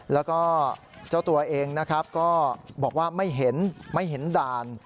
แล้วก็เจ้าตัวเองนะครับก็บอกว่าไม่เห็นไม่เห็นด่าน